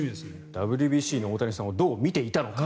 ＷＢＣの大谷さんをどう見ていたのか。